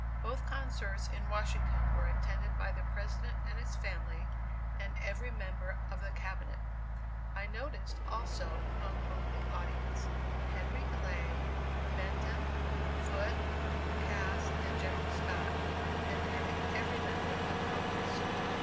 Both concerts in Washington were attended by the President and his family, and every member of the Cabinet. I noticed, also, among the audience, Henry Clay, Benton, Foote, Cass and General Scott, and nearly every member of Congress.